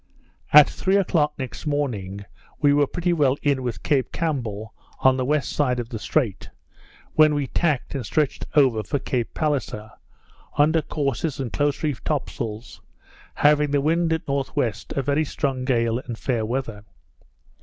At three o'clock next morning, we were pretty well in with Cape Campbell on the west side of the Strait, when we tacked, and stretched over for Cape Palliser, under courses and close reefed top sails, having the wind at N.W., a very strong gale and fair weather.